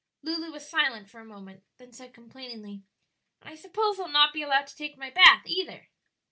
Lulu was silent for a moment, then said complainingly, "And I suppose I'll not be allowed to take my bath either?"